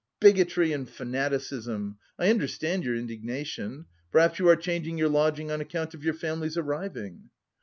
Bigotry and fanaticism! I understand your indignation. Perhaps you are changing your lodging on account of your family's arriving?"